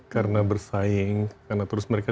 karena bersaing karena terus mereka